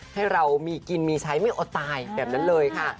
ให้เรามีกินมีใช้ไม่อดตายแบบนั้นเลยค่ะ